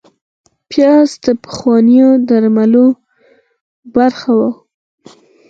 پیاز د پخوانیو درملو برخه وه